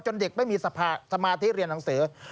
เด็กไม่มีสมาธิเรียนหนังสือ